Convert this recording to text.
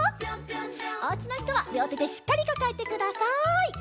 おうちのひとはりょうてでしっかりかかえてください。